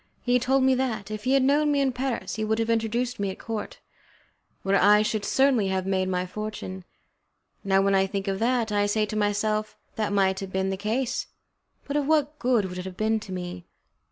He told me that, if he had known me in Paris he would have introduced me at the court, where I should certainly have made my fortune. Now, when I think of that, I say to myself, "That might have been the case, but of what good would it have been to me?"